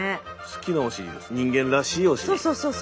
好きなお尻です人間らしいお尻。